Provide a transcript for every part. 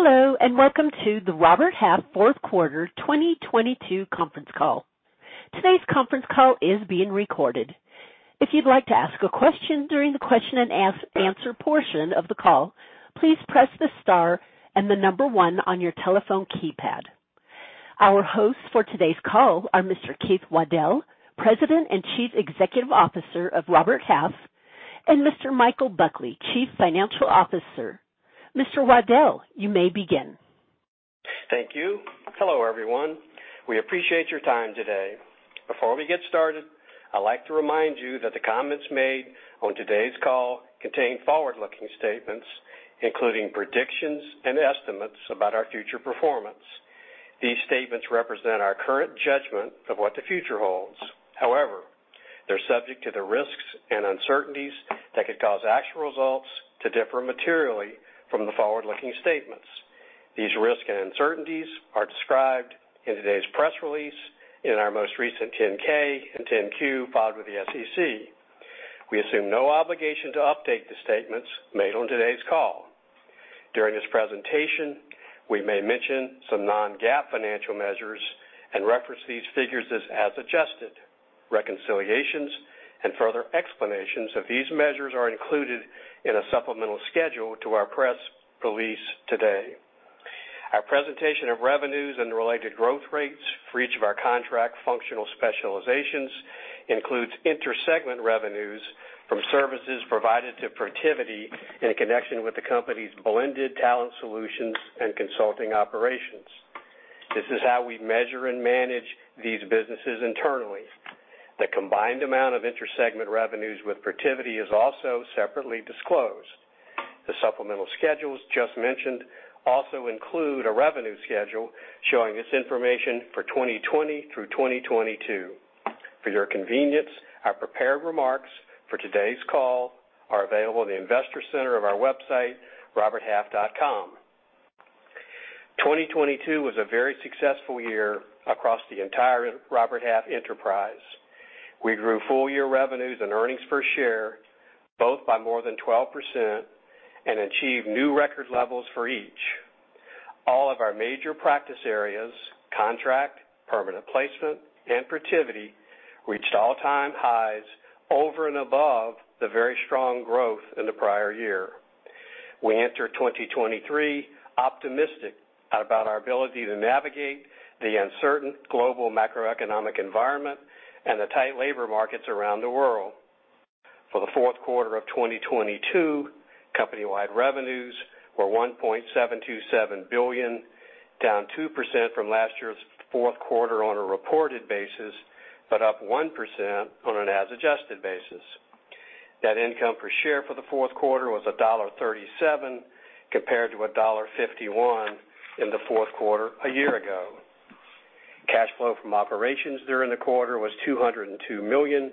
Hello. Welcome to the Robert Half fourth quarter 2022 conference call. Today's conference call is being recorded. If you'd like to ask a question during the question and answer portion of the call, please press the star and the number 1 on your telephone keypad. Our hosts for today's call are Mr. Keith Waddell, President and Chief Executive Officer of Robert Half, and Mr. Michael Buckley, Chief Financial Officer. Mr. Waddell, you may begin. Thank you. Hello, everyone. We appreciate your time today. Before we get started, I'd like to remind you that the comments made on today's call contain forward-looking statements, including predictions and estimates about our future performance. These statements represent our current judgment of what the future holds. However, they're subject to the risks and uncertainties that could cause actual results to differ materially from the forward-looking statements. These risks and uncertainties are described in today's press release, in our most recent 10-K and 10-Q filed with the SEC. We assume no obligation to update the statements made on today's call. During this presentation, we may mention some non-GAAP financial measures and reference these figures as adjusted. Reconciliations and further explanations of these measures are included in a supplemental schedule to our press release today. Our presentation of revenues and related growth rates for each of our contract functional specializations includes inter-segment revenues from services provided to Protiviti in connection with the company's blended talent solutions and consulting operations. This is how we measure and manage these businesses internally. The combined amount of inter-segment revenues with Protiviti is also separately disclosed. The supplemental schedules just mentioned also include a revenue schedule showing this information for 2020 through 2022. For your convenience, our prepared remarks for today's call are available in the investor center of our website, roberthalf.com. 2022 was a very successful year across the entire Robert Half enterprise. We grew full year revenues and earnings per share both by more than 12% and achieved new record levels for each. All of our major practice areas, contract, permanent placement, and Protiviti, reached all-time highs over and above the very strong growth in the prior year. We enter 2023 optimistic about our ability to navigate the uncertain global macroeconomic environment and the tight labor markets around the world. For the fourth quarter of 2022, company-wide revenues were $1.727 billion, down 2% from last year's fourth quarter on a reported basis, but up 1% on an as-adjusted basis. Net income per share for the fourth quarter was $1.37, compared to $1.51 in the fourth quarter a year ago. Cash flow from operations during the quarter was $202 million.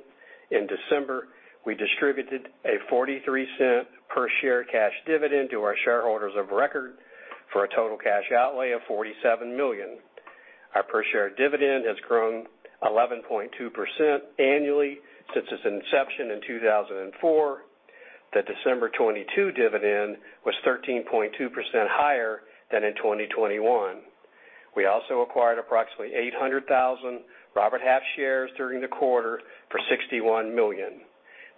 In December, we distributed a $0.43 per share cash dividend to our shareholders of record for a total cash outlay of $47 million. Our per share dividend has grown 11.2% annually since its inception in 2004. The December 22 dividend was 13.2% higher than in 2021. We also acquired approximately 800,000 Robert Half shares during the quarter for $61 million.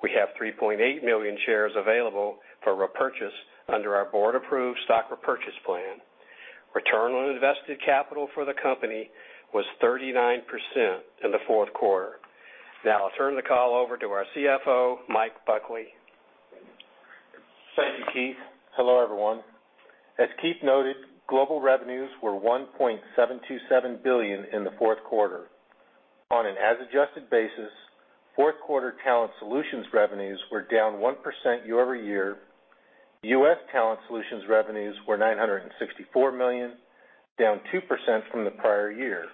We have 3.8 million shares available for repurchase under our board-approved stock repurchase plan. Return on invested capital for the company was 39% in the fourth quarter. Now I'll turn the call over to our CFO, Mike Buckley. Thank you, Keith. Hello, everyone. As Keith noted, global revenues were $1.727 billion in the fourth quarter. On an as-adjusted basis, fourth quarter talent solutions revenues were down 1% year-over-year. U.S. talent solutions revenues were $964 million, down 2% from the prior year.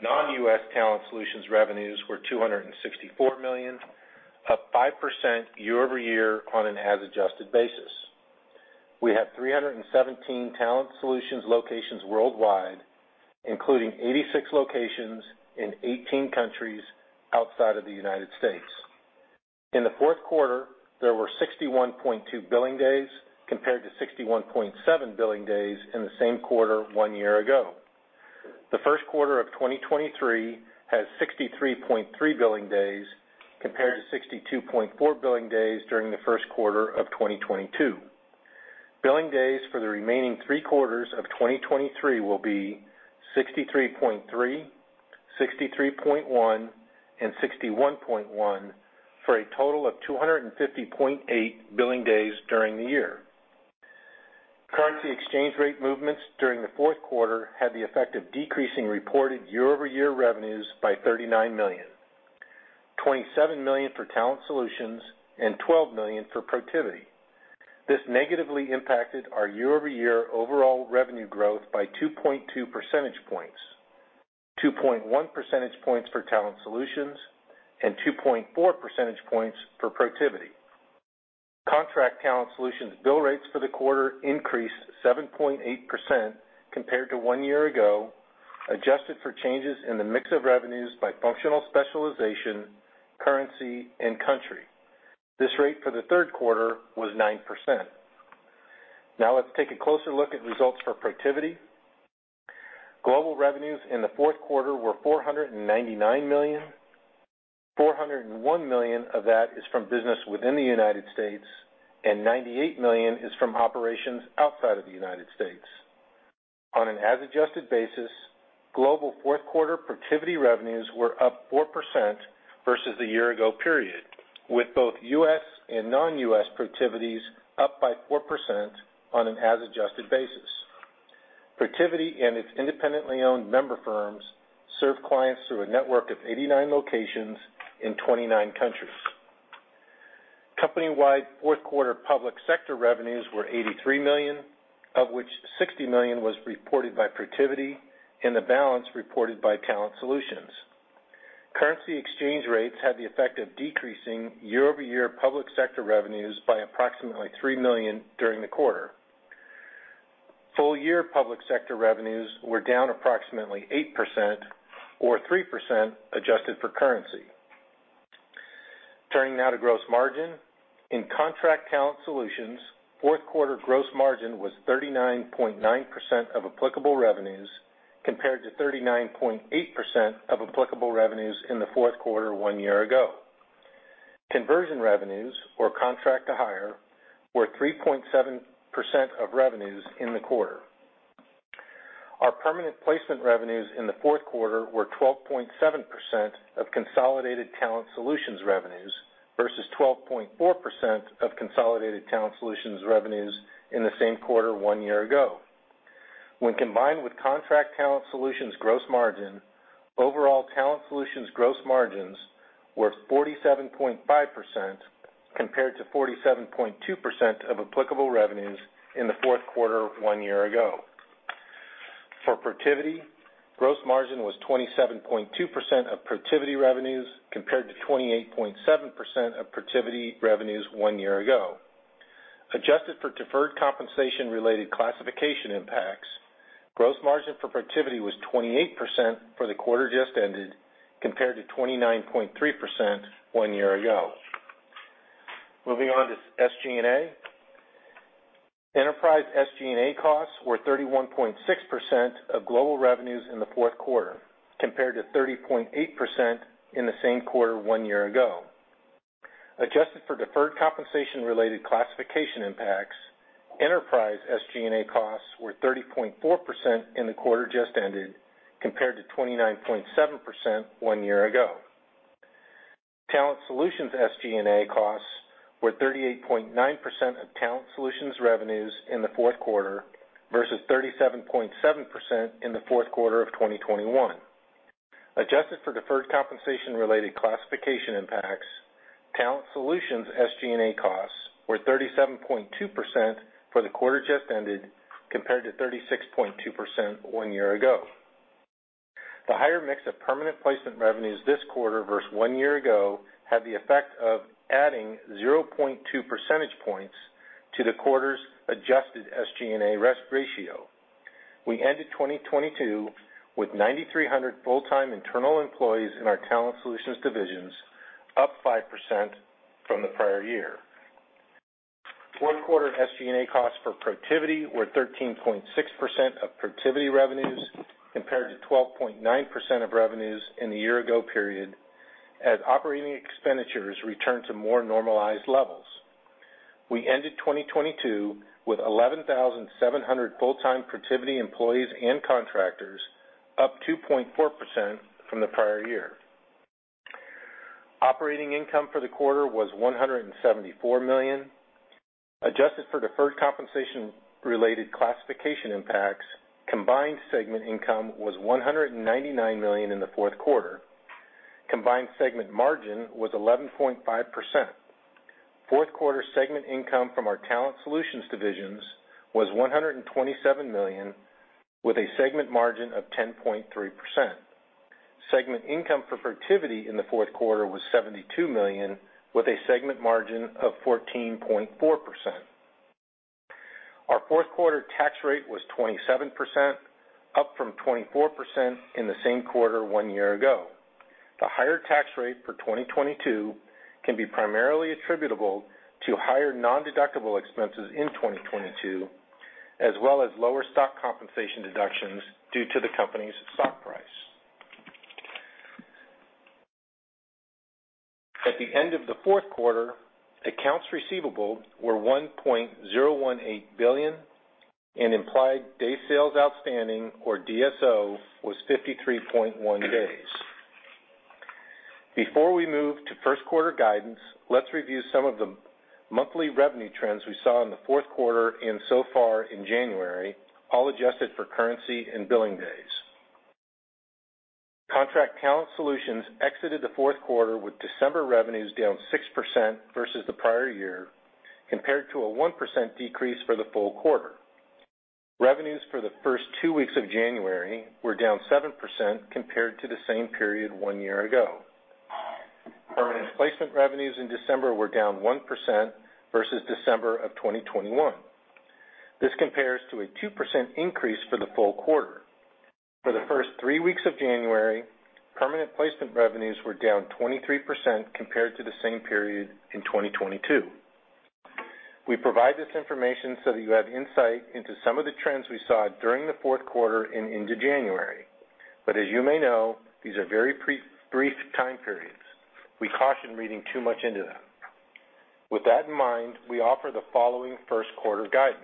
Non-U.S. talent solutions revenues were $264 million, up 5% year-over-year on an as-adjusted basis. We have 317 talent solutions locations worldwide, including 86 locations in 18 countries outside of the United States. In the fourth quarter, there were 61.2 billing days compared to 61.7 billing days in the same quarter one year ago. The first quarter of 2023 has 63.3 billing days compared to 62.4 billing days during the first quarter of 2022. Billing days for the remaining 3 quarters of 2023 will be 63.3, 63.1, and 61.1 for a total of 250.8 billing days during the year. Currency exchange rate movements during the fourth quarter had the effect of decreasing reported year-over-year revenues by $39 million, $27 million for talent solutions and $12 million for Protiviti. This negatively impacted our year-over-year overall revenue growth by 2.2 percentage points, 2.1 percentage points for talent solutions and 2.4 percentage points for Protiviti. Contract talent solutions bill rates for the quarter increased 7.8% compared to 1 year ago, adjusted for changes in the mix of revenues by functional specialization, currency, and country. This rate for the third quarter was 9%. Now let's take a closer look at results for Protiviti. Global revenues in the fourth quarter were $499 million. $401 million of that is from business within the United States, and $98 million is from operations outside of the United States. On an as adjusted basis, global fourth quarter Protiviti revenues were up 4% versus the year ago period, with both US and non-US Protivitis up by 4% on an as adjusted basis. Protiviti and its independently owned member firms serve clients through a network of 89 locations in 29 countries. Company-wide fourth quarter public sector revenues were $83 million, of which $60 million was reported by Protiviti and the balance reported by talent solutions. Currency exchange rates had the effect of decreasing year-over-year public sector revenues by approximately $3 million during the quarter. Full year public sector revenues were down approximately 8% or 3% adjusted for currency. Turning now to gross margin. In Contract talent solutions, fourth quarter gross margin was 39.9% of applicable revenues compared to 39.8% of applicable revenues in the fourth quarter one year ago. Conversion revenues or contract to hire were 3.7% of revenues in the quarter. Our permanent placement revenues in the fourth quarter were 12.7% of consolidated talent solutions revenues versus 12.4% of consolidated talent solutions revenues in the same quarter one year ago. When combined with Contract talent solutions gross margin, overall talent solutions gross margins were 47.5% compared to 47.2% of applicable revenues in the fourth quarter one year ago. For Protiviti, gross margin was 27.2% of Protiviti revenues compared to 28.7% of Protiviti revenues one year ago. Adjusted for deferred compensation-related classification impacts, gross margin for Protiviti was 28% for the quarter just ended compared to 29.3% one year ago. Moving on to SG&A. Enterprise SG&A costs were 31.6% of global revenues in the fourth quarter compared to 30.8% in the same quarter one year ago. Adjusted for deferred compensation-related classification impacts, enterprise SG&A costs were 30.4% in the quarter just ended compared to 29.7% one year ago. talent solutions SG&A costs were 38.9% of talent solutions revenues in the fourth quarter versus 37.7% in the fourth quarter of 2021. Adjusted for deferred compensation-related classification impacts, talent solutions SG&A costs were 37.2% for the quarter just ended compared to 36.2% one year ago. The higher mix of permanent placement revenues this quarter versus one year ago had the effect of adding 0.2 percentage points to the quarter's adjusted SG&A rest ratio. We ended 2022 with 9,300 full-time internal employees in our talent solutions divisions, up 5% from the prior year. Fourth quarter SG&A costs for Protiviti were 13.6% of Protiviti revenues compared to 12.9% of revenues in the year ago period as operating expenditures returned to more normalized levels. We ended 2022 with 11,700 full-time Protiviti employees and contractors, up 2.4% from the prior year. Operating income for the quarter was $174 million. Adjusted for deferred compensation-related classification impacts, combined segment income was $199 million in the fourth quarter. Combined segment margin was 11.5%. Fourth quarter segment income from our talent solutions divisions was $127 million, with a segment margin of 10.3%. Segment income for Protiviti in the fourth quarter was $72 million, with a segment margin of 14.4%. Our fourth quarter tax rate was 27%, up from 24% in the same quarter one year ago. The higher tax rate for 2022 can be primarily attributable to higher nondeductible expenses in 2022, as well as lower stock compensation deductions due to the company's stock price. At the end of the fourth quarter, accounts receivable were $1.018 billion and implied days sales outstanding or DSO was 53.1 days. Before we move to first quarter guidance, let's review some of the monthly revenue trends we saw in the fourth quarter and so far in January, all adjusted for currency and billing days. Contract talent solutions exited the fourth quarter with December revenues down 6% versus the prior year, compared to a 1% decrease for the full quarter. Revenues for the first two weeks of January were down 7% compared to the same period one year ago. Permanent placement revenues in December were down 1% versus December of 2021. This compares to a 2% increase for the full quarter. For the first three weeks of January, permanent placement revenues were down 23% compared to the same period in 2022. We provide this information so that you have insight into some of the trends we saw during the fourth quarter and into January. As you may know, these are very pre-brief time periods. We caution reading too much into them. With that in mind, we offer the following first quarter guidance.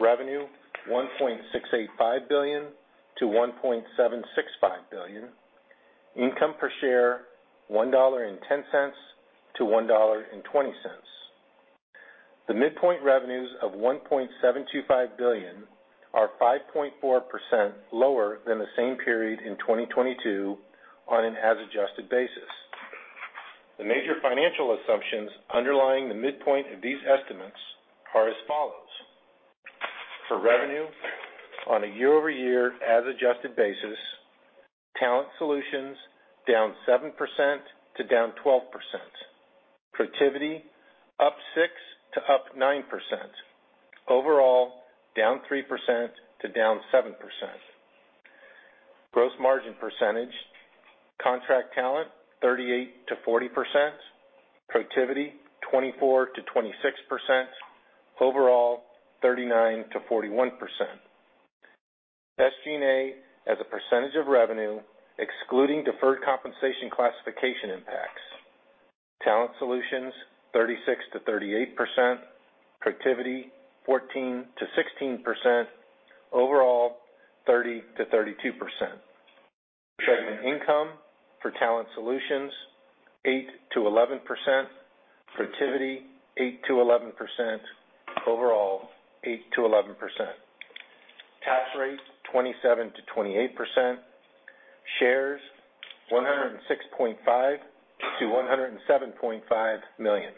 Revenue $1.685 billion-$1.765 billion. Income per share $1.10-$1.20. The midpoint revenues of $1.725 billion are 5.4% lower than the same period in 2022 on an as adjusted basis. The major financial assumptions underlying the midpoint of these estimates are as follows. For revenue on a year-over-year as adjusted basis, talent solutions down 7% to down 12%. Protiviti up 6% to up 9%. Overall, down 3% to down 7%. Gross margin percentage, contract talent 38%-40%. Protiviti 24%-26%. Overall, 39%-41%. SG&A as a percentage of revenue excluding deferred compensation classification impacts. Talent solutions 36%-38%. Protiviti 14%-16%. Overall, 30%-32%. Segment income for talent solutions 8%-11%. Protiviti 8%-11%. Overall 8%-11%. Tax rate 27%-28%. Shares $106.5 million-$107.5 million.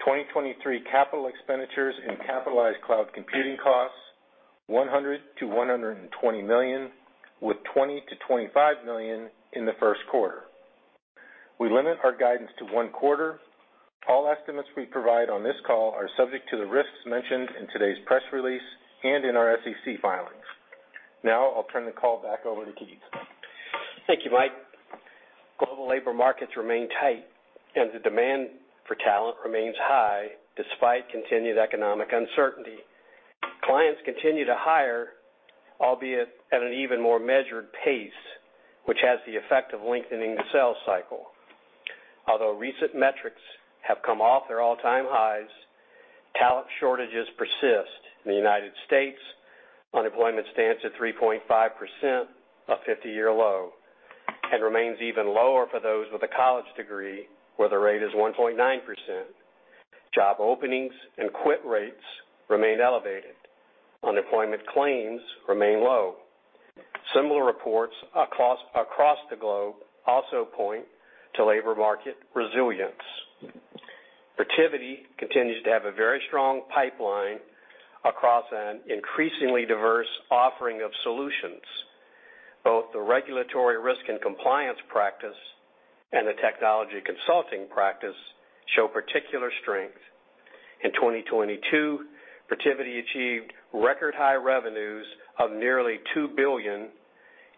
2023 capital expenditures and capitalized cloud computing costs $100 million-$120 million, with $20 million-$25 million in the first quarter. We limit our guidance to one quarter. All estimates we provide on this call are subject to the risks mentioned in today's press release and in our SEC filings. Now I'll turn the call back over to Keith. Thank you, Mike. Global labor markets remain tight, and the demand for talent remains high despite continued economic uncertainty. Clients continue to hire, albeit at an even more measured pace, which has the effect of lengthening the sales cycle. Although recent metrics have come off their all-time highs, talent shortages persist. In the United States, unemployment stands at 3.5%, a 50-year low, and remains even lower for those with a college degree, where the rate is 1.9%. Job openings and quit rates remain elevated. Unemployment claims remain low. Similar reports across the globe also point to labor market resilience. Protiviti continues to have a very strong pipeline across an increasingly diverse offering of solutions. Both the regulatory risk and compliance practice and the technology consulting practice show particular strength. In 2022, Protiviti achieved record high revenues of nearly $2 billion,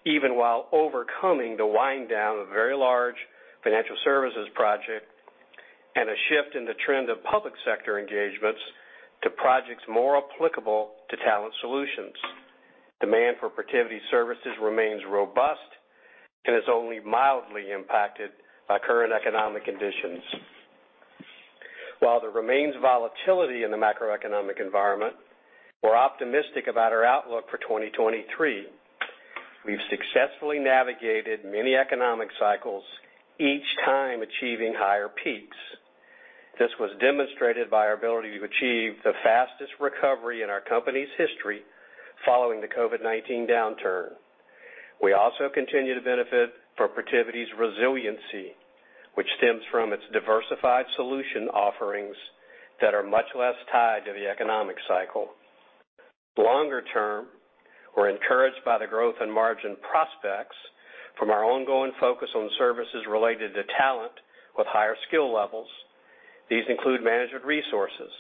even while overcoming the wind-down of a very large financial services project and a shift in the trend of public sector engagements to projects more applicable to talent solutions. Demand for Protiviti services remains robust and is only mildly impacted by current economic conditions. There remains volatility in the macroeconomic environment, we're optimistic about our outlook for 2023. We've successfully navigated many economic cycles, each time achieving higher peaks. This was demonstrated by our ability to achieve the fastest recovery in our company's history following the COVID-19 downturn. We also continue to benefit from Protiviti's resiliency, which stems from its diversified solution offerings that are much less tied to the economic cycle. Longer term, we're encouraged by the growth in margin prospects from our ongoing focus on services related to talent with higher skill levels. These include Managed Resources,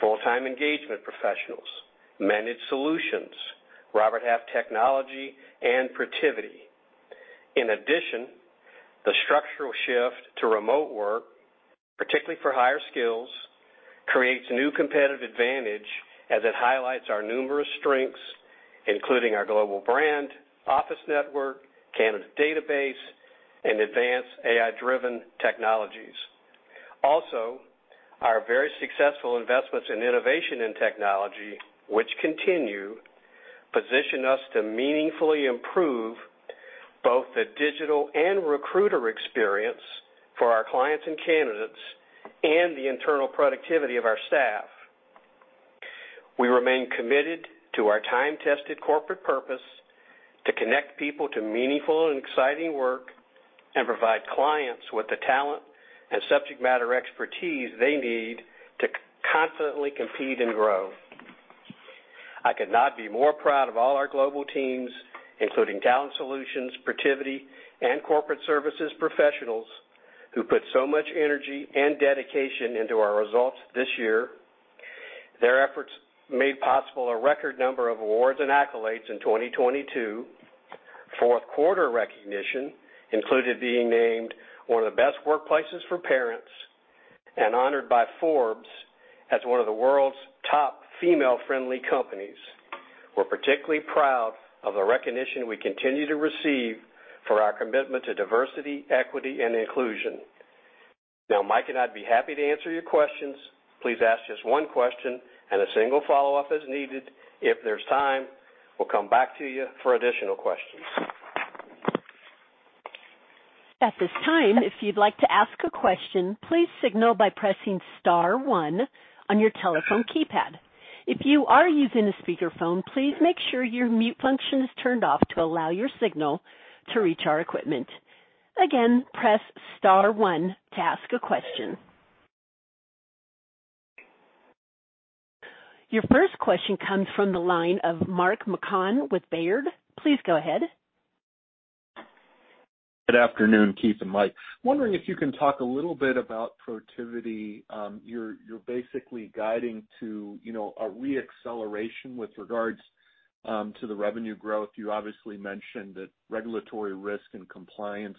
Full-Time Engagement Professionals, Managed Solutions, Robert Half Technology, and Protiviti. In addition, the structural shift to remote work, particularly for higher skills, creates a new competitive advantage as it highlights our numerous strengths, including our global brand, office network, candidate database, and advanced AI-driven technologies. Our very successful investments in innovation and technology, which continue, position us to meaningfully improve both the digital and recruiter experience for our clients and candidates and the internal productivity of our staff. We remain committed to our time-tested corporate purpose to connect people to meaningful and exciting work and provide clients with the talent and subject matter expertise they need to constantly compete and grow. I could not be more proud of all our global teams, including talent solutions, Protiviti, and corporate services professionals. Who put so much energy and dedication into our results this year. Their efforts made possible a record number of awards and accolades in 2022. Fourth quarter recognition included being named one of the Best Workplaces for Parents and honored by Forbes as one of the World's Top Female-Friendly Companies. We're particularly proud of the recognition we continue to receive for our commitment to diversity, equity, and inclusion. Mike and I'd be happy to answer your questions. Please ask just one question and a single follow-up as needed. If there's time, we'll come back to you for additional questions. At this time, if you'd like to ask a question, please signal by pressing star one on your telephone keypad. If you are using a speakerphone, please make sure your mute function is turned off to allow your signal to reach our equipment. Again, press star one to ask a question. Your first question comes from the line of Mark Marcon with Baird. Please go ahead. Good afternoon, Keith and Mike. Wondering if you can talk a little bit about Protiviti. You're basically guiding to, you know, a re-acceleration with regards to the revenue growth. You obviously mentioned that regulatory risk and compliance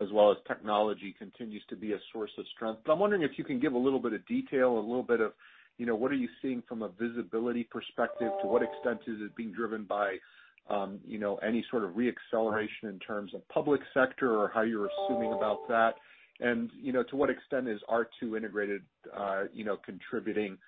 as well as technology continues to be a source of strength. I'm wondering if you can give a little bit of detail, you know, what are you seeing from a visibility perspective? To what extent is it being driven by, you know, any sort of re-acceleration in terms of public sector or how you're assuming about that? You know, to what extent is R2 Integrated, you know, contributing,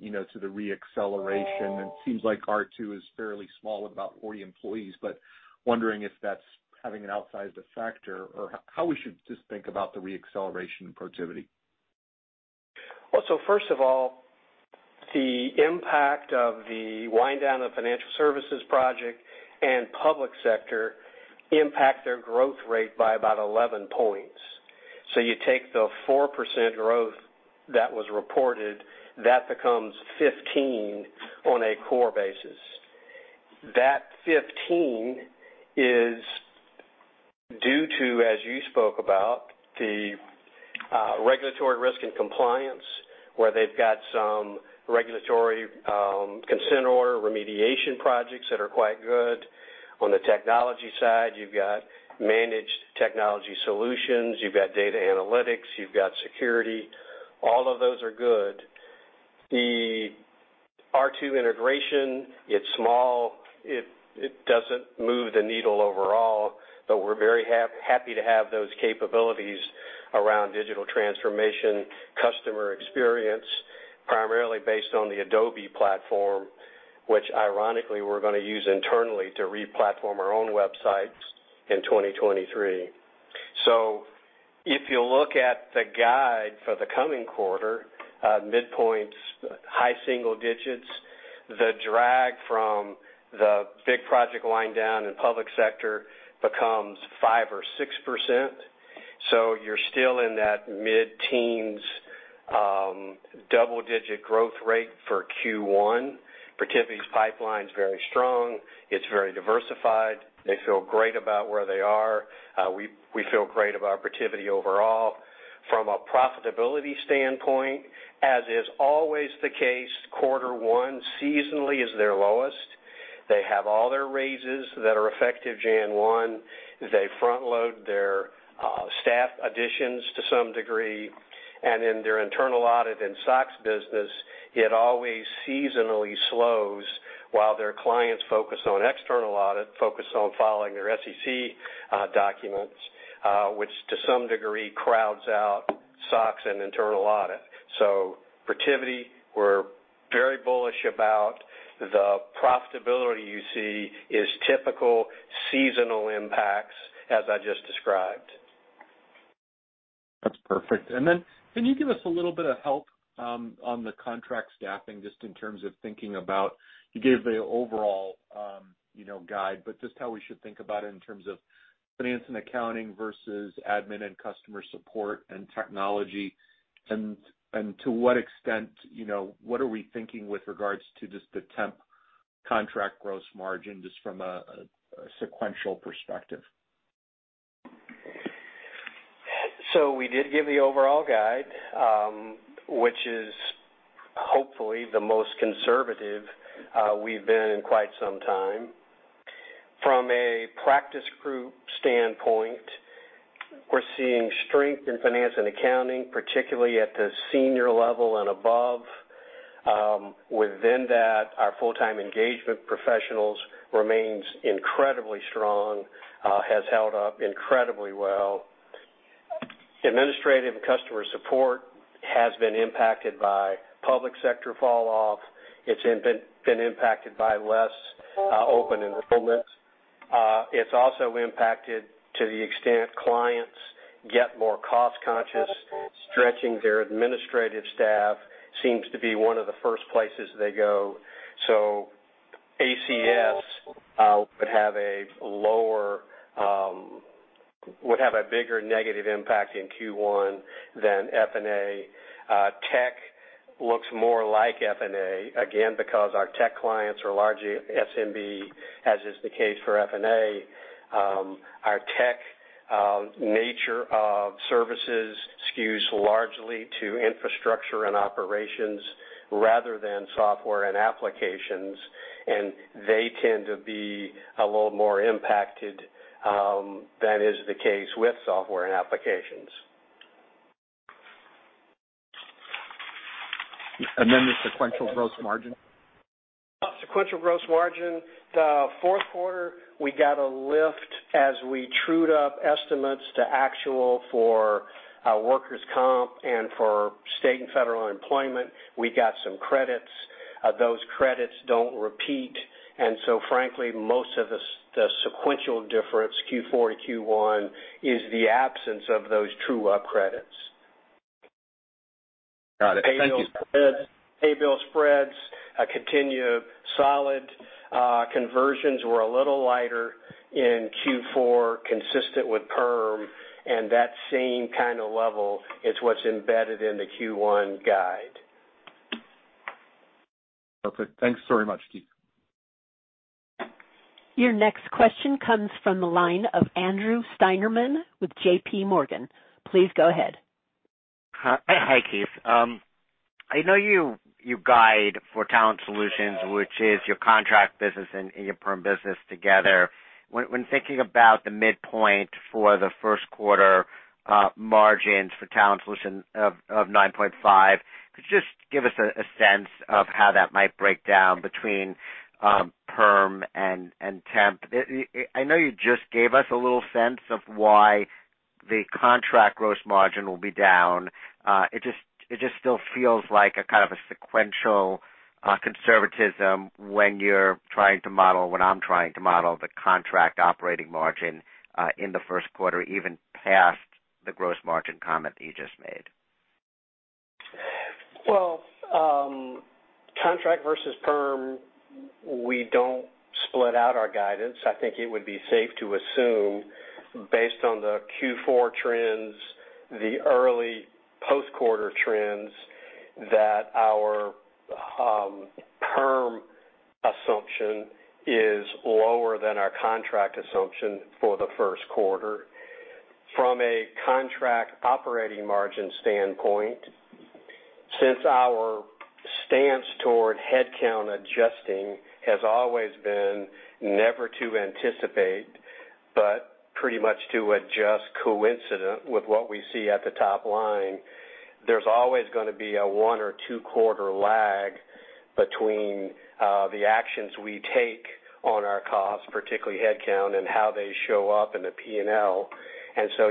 you know, to the re-acceleration? It seems like R2 is fairly small at about 40 employees, but wondering if that's having an outsized factor or how we should just think about the re-acceleration in Protiviti. Well, first of all, the impact of the wind down of financial services project and public sector impact their growth rate by about 11 points. You take the 4% growth that was reported, that becomes 15 on a core basis. That 15 is due to, as you spoke about, the regulatory risk and compliance, where they've got some regulatory consent order remediation projects that are quite good. On the technology side, you've got Managed Technology Solutions, you've got Data Analytics, you've got Security. All of those are good. The R2 integration, it's small. It doesn't move the needle overall, but we're very happy to have those capabilities around digital transformation, customer experience, primarily based on the Adobe platform, which ironically we're gonna use internally to re-platform our own websites in 2023. If you look at the guide for the coming quarter, midpoints, high single digits, the drag from the big project wind down in public sector becomes 5% or 6%. You're still in that mid-teens, double-digit growth rate for Q1. Protiviti's pipeline's very strong. It's very diversified. They feel great about where they are. We feel great about Protiviti overall. From a profitability standpoint, as is always the case, quarter one seasonally is their lowest. They have all their raises that are effective January 1. They front load their staff additions to some degree, and in their internal audit and SOX business, it always seasonally slows while their clients focus on external audit, focus on following their SEC documents, which to some degree crowds out SOX and internal audit. Protiviti, we're very bullish about the profitability you see is typical seasonal impacts as I just described. That's perfect. Then can you give us a little bit of help, on the contract staffing, just in terms of thinking about... You gave the overall, you know, guide, but just how we should think about it in terms of finance and accounting versus admin and customer support and technology. To what extent, you know, what are we thinking with regards to just the temp contract gross margin, just from a sequential perspective? We did give the overall guide, which is hopefully the most conservative we've been in quite some time. From a practice group standpoint, we're seeing strength in finance and accounting, particularly at the senior level and above. Within that, our full-time engagement professionals remains incredibly strong, has held up incredibly well. Administrative and customer support has been impacted by public sector falloff. It's been impacted by less open enrollments. It's also impacted to the extent clients get more cost-conscious. Stretching their administrative staff seems to be one of the first places they go. ACS would have a lower, would have a bigger negative impact in Q1 than F&A. Tech looks more like F&A, again because our tech clients are largely SMB, as is the case for F&A. Our tech, nature of services skews largely to infrastructure and operations rather than software and applications. They tend to be a little more impacted than is the case with software and applications. The sequential gross margin. Sequential gross margin. The fourth quarter, we got a lift as we trued up estimates to actual for our workers comp and for state and federal employment. We got some credits. Those credits don't repeat. Frankly, most of the sequential difference Q4 to Q1 is the absence of those true up credits. Got it. Thank you. Payable spreads, continue solid. Conversions were a little lighter in Q4, consistent with perm, and that same kind of level is what's embedded in the Q1 guide. Okay, thanks very much, Keith. Your next question comes from the line of Andrew Steinerman with JP Morgan. Please go ahead. Hi. Hey, Keith. I know you guide for talent solutions, which is your contract business and your perm business together. When thinking about the midpoint for the first quarter, margins for talent solutions of 9.5%, could you just give us a sense of how that might break down between perm and temp? I know you just gave us a little sense of why the contract gross margin will be down. It just still feels like a kind of a sequential conservatism when I'm trying to model the contract operating margin in the first quarter, even past the gross margin comment that you just made. Contract versus perm, we don't split out our guidance. I think it would be safe to assume, based on the Q4 trends, the early post-quarter trends, that our perm assumption is lower than our contract assumption for the first quarter. From a contract operating margin standpoint, since our stance toward headcount adjusting has always been never to anticipate, but pretty much to adjust coincident with what we see at the top line, there's always gonna be a one or two quarter lag between the actions we take on our costs, particularly headcount and how they show up in the P&L.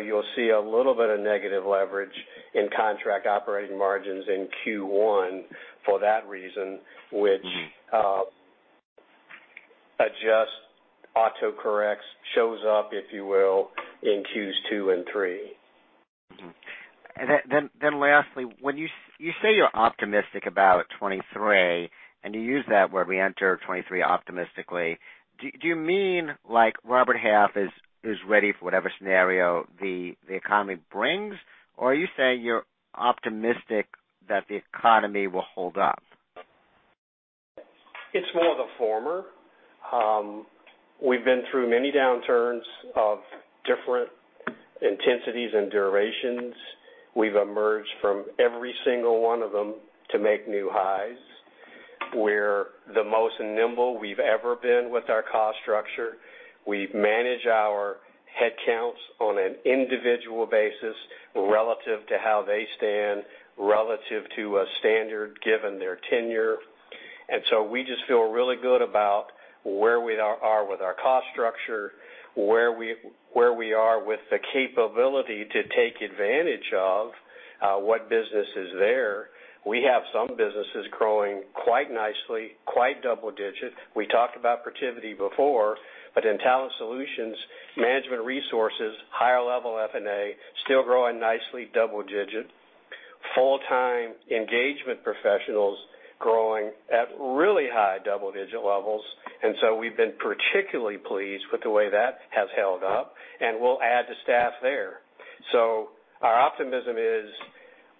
You'll see a little bit of negative leverage in contract operating margins in Q1 for that reason. Mm-hmm. Which adjusts, autocorrects, shows up, if you will, in Q2 and Q3. Then lastly, when you say you're optimistic about 2023, and you use that where we enter 2023 optimistically. Do you mean like Robert Half is ready for whatever scenario the economy brings? Or are you saying you're optimistic that the economy will hold up? It's more of the former. We've been through many downturns of different intensities and durations. We've emerged from every single one of them to make new highs. We're the most nimble we've ever been with our cost structure. We manage our headcounts on an individual basis relative to how they stand, relative to a standard given their tenure. We just feel really good about where we are with our cost structure, where we are with the capability to take advantage of what business is there. We have some businesses growing quite nicely, quite double-digit. We talked about Protiviti before, but in talent solutions, Management Resources, higher level F&A still growing nicely, double-digit. Full-Time Engagement Professionals growing at really high double-digit levels. We've been particularly pleased with the way that has held up, and we'll add to staff there. Our optimism is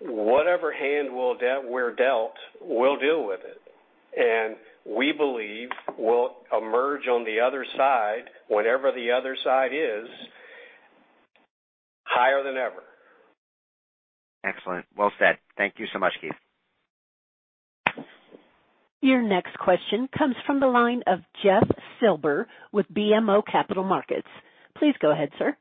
whatever hand we're dealt, we'll deal with it, and we believe we'll emerge on the other side, whatever the other side is, higher than ever. Excellent. Well said. Thank you so much, Keith. Your next question comes from the line of Jeff Silber with BMO Capital Markets. Please go ahead, sir.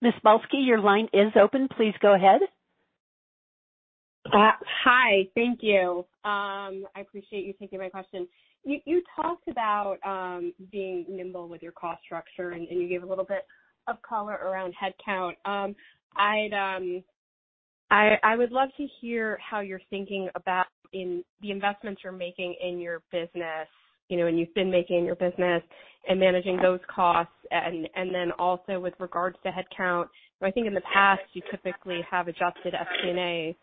Ms. Balsky, your line is open. Please go ahead. Hi. Thank you. I appreciate you taking my question. You talked about being nimble with your cost structure, and you gave a little bit of color around headcount. I'd love to hear how you're thinking about in the investments you're making in your business, you know, and you've been making in your business and managing those costs. Then also with regards to headcount. I think in the past, you typically have adjusted SG&A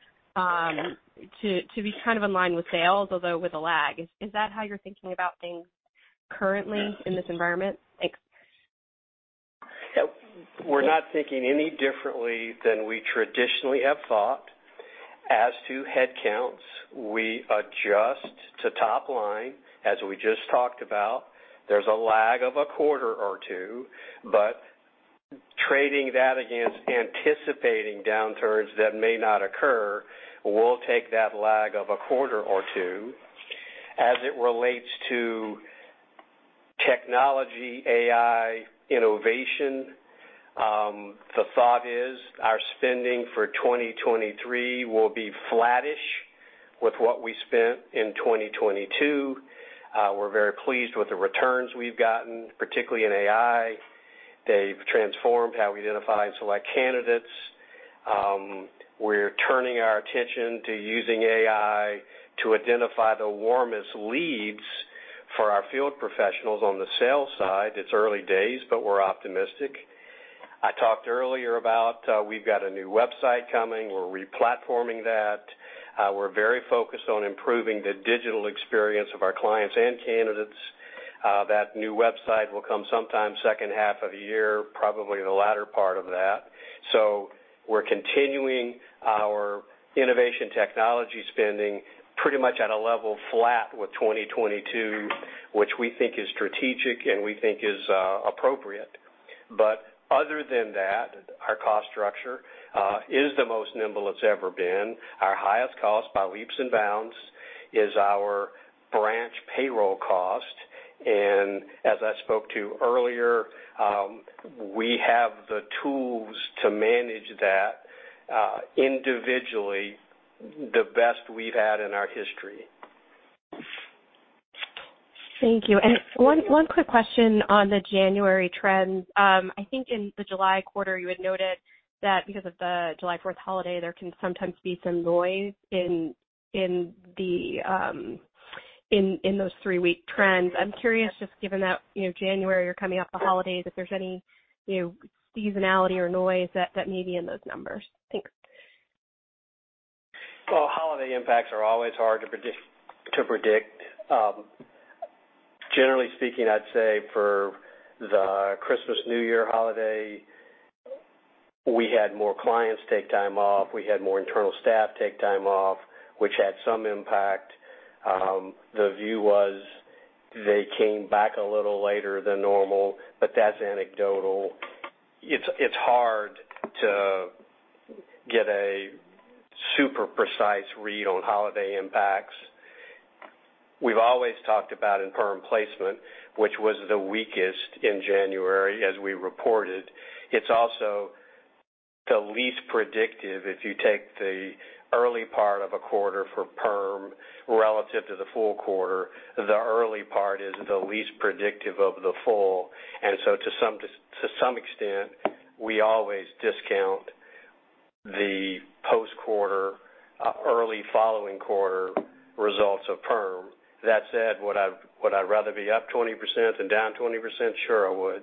to be kind of in line with sales, although with a lag. Is that how you're thinking about things currently in this environment? Thanks. We're not thinking any differently than we traditionally have thought. As to headcounts, we adjust to top line, as we just talked about. There's a lag of a quarter or two, but trading that against anticipating downturns that may not occur, we'll take that lag of a quarter or two. As it relates to technology, AI, innovation, the thought is our spending for 2023 will be flattish with what we spent in 2022. We're very pleased with the returns we've gotten, particularly in AI. They've transformed how we identify and select candidates. We're turning our attention to using AI to identify the warmest leads for our field professionals. On the sales side, it's early days, but we're optimistic. I talked earlier about, we've got a new website coming. We're re-platforming that. We're very focused on improving the digital experience of our clients and candidates. That new website will come sometime second half of the year, probably the latter part of that. We're continuing our innovation technology spending pretty much at a level flat with 2022, which we think is strategic, and we think is appropriate. Other than that, our cost structure is the most nimble it's ever been. Our highest cost by leaps and bounds is our branch payroll cost. As I spoke to earlier, we have the tools to manage that individually, the best we've had in our history. Thank you. One quick question on the January trends. I think in the July quarter, you had noted that because of the July 4th holiday, there can sometimes be some noise in the 3-week trends. I'm curious, just given that, you know, January you're coming off the holiday, if there's any, you know, seasonality or noise that may be in those numbers. Thanks. Well, holiday impacts are always hard to predict. Generally speaking, I'd say for the Christmas, New Year holiday, we had more clients take time off. We had more internal staff take time off, which had some impact. The view was they came back a little later than normal, but that's anecdotal. It's hard to get a super precise read on holiday impacts. We've always talked about in perm placement, which was the weakest in January, as we reported. It's also the least predictive if you take the early part of a quarter for perm relative to the full quarter. The early part is the least predictive of the full. To some extent, we always discount the post-quarter early following quarter results of perm. That said, would I rather be up 20% than down 20%? Sure, I would.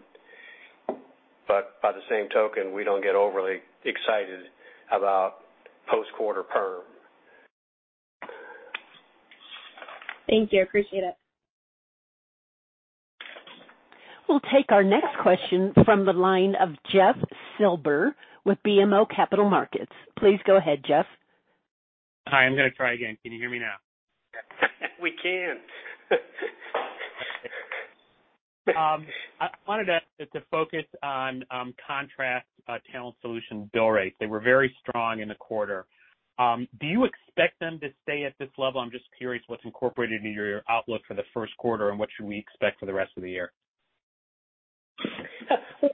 By the same token, we don't get overly excited about post-quarter perm. Thank you. Appreciate it. We'll take our next question from the line of Jeff Silber with BMO Capital Markets. Please go ahead, Jeff. Hi. I'm gonna try again. Can you hear me now? We can. I wanted to focus on contract talent solutions bill rates. They were very strong in the quarter. Do you expect them to stay at this level? I'm just curious what's incorporated into your outlook for the first quarter and what should we expect for the rest of the year?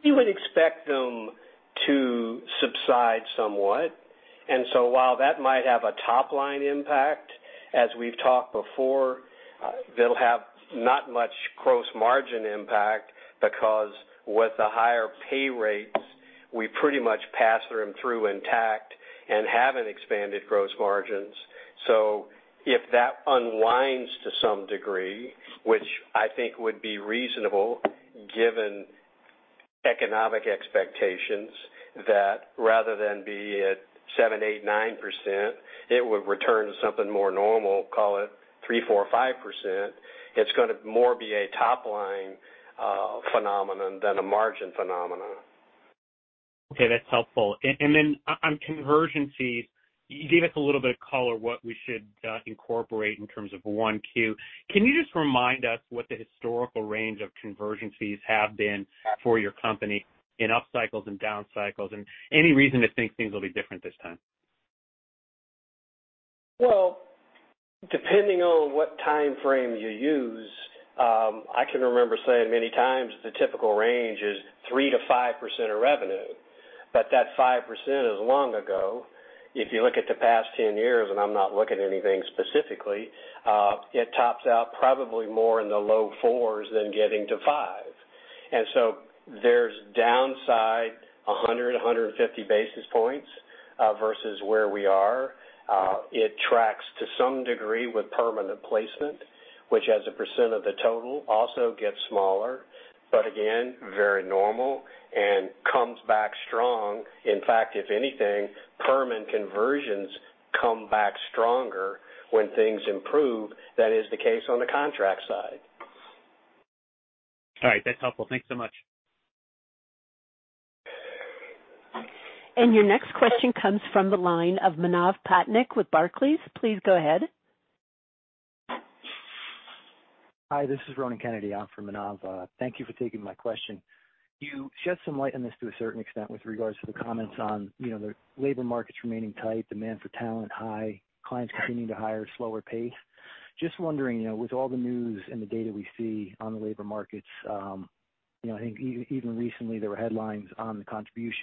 We would expect them to subside somewhat. While that might have a top-line impact, as we've talked before, they'll have not much gross margin impact because with the higher pay rates, we pretty much pass them through intact and haven't expanded gross margins. If that unwinds to some degree, which I think would be reasonable given economic expectations, that rather than be at 7%, 8%, 9%, it would return to something more normal, call it 3%, 4%, 5%. It's gonna more be a top-line phenomenon than a margin phenomenon. Okay, that's helpful. Then on convergency. You gave us a little bit of color what we should incorporate in terms of 1Q. Can you just remind us what the historical range of conversion fees have been for your company in up cycles and down cycles? Any reason to think things will be different this time? Well, depending on what time frame you use, I can remember saying many times the typical range is 3%-5% of revenue, but that 5% is long ago. If you look at the past 10 years, and I'm not looking at anything specifically, it tops out probably more in the low 4s than getting to 5. There's downside, 100-150 basis points versus where we are. It tracks to some degree with permanent placement, which as a percent of the total also gets smaller, but again, very normal and comes back strong. In fact, if anything, perm and conversions come back stronger when things improve. That is the case on the contract side. All right. That's helpful. Thanks so much. Your next question comes from the line of Manav Patnaik with Barclays. Please go ahead. Hi, this is Ronan Kennedy in for Manav. Thank you for taking my question. You shed some light on this to a certain extent with regards to the comments on, you know, the labor markets remaining tight, demand for talent high, clients continuing to hire slower pace. Just wondering, you know, with all the news and the data we see on the labor markets, you know, I think even recently, there were headlines on the